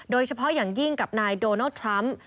โดยเฉพาะอย่างยิ่งกับนายโดนัลด์ทรัมป์